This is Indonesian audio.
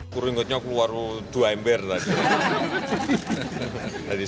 kurungutnya keluar dua ember tadi